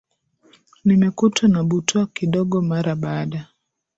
nimekutwa na butwaa kidogo mara baada